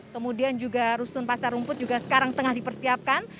kemudian juga rusun pasar rumput juga sekarang tengah dipersiapkan